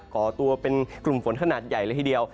ก่อตัวเป็นกลุ่มฝนขนาดใหญ่เลยทีเดียว